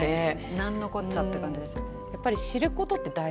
何のこっちゃって感じですね。